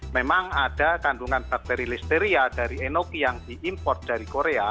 memang ada kandungan bakteri listeria dari enoki yang diimport dari korea